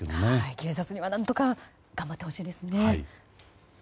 警察にはどうにか頑張ってほしいですね。